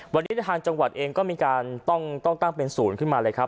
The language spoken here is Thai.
วันนี้ทางจังหวัดเองก็มีการต้องตั้งเป็นศูนย์ขึ้นมาเลยครับ